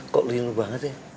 kok liru banget ya